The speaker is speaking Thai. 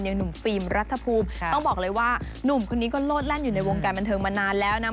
หนุ่มฟิล์มรัฐภูมิต้องบอกเลยว่าหนุ่มคนนี้ก็โลดแล่นอยู่ในวงการบันเทิงมานานแล้วนะ